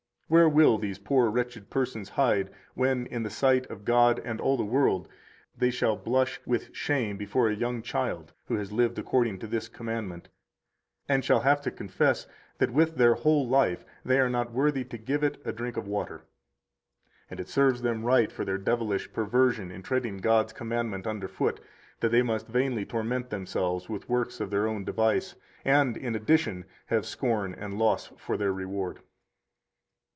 Where will these poor wretched persons hide when in the sight of God and all the world they shall blush with shame before a young child who has lived according to this commandment, and shall have to confess that with their whole life they are not worthy to give it a drink of water? 119 And it serves them right for their devilish perversion in treading God's commandment under foot that they must vainly torment themselves with works of their own device, and, in addition, have scorn and loss for their reward.